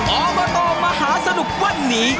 ออร์โมโต้มมาหาสนุกในวันนี้